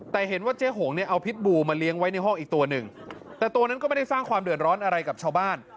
แต่เห็นว่าเจ๊หงเนี่ยเอาพิษบูมาเลี้ยงไว้ในห้องอีกตัวหนึ่งแต่ตัวนั้นก็ไม่ได้สร้างความเดือดร้อนอะไรกับชาวบ้าน